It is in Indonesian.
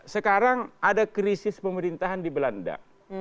sekarang ada krisis pemerintahan di belanda